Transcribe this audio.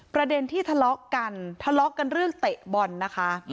ประเด็นที่ทะเลาะกันทะเลาะกันเรื่องเตะบอลนะคะ